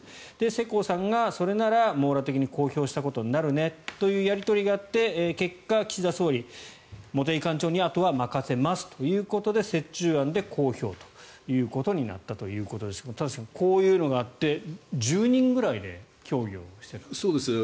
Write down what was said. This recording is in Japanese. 世耕さんがそれなら網羅的に公表したことになるねというやり取りがあって結果、岸田総理は茂木幹事長にあとは任せますということで折衷案で公表ということになったということですが田崎さん、こういうのがあって１０人くらいで協議していたんですか。